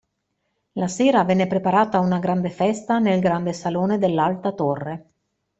La sera venne preparata una grande festa nel grande salone dell'Alta Torre.